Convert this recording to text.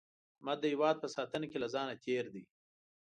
احمد د هیواد په ساتنه کې له ځانه تېر دی.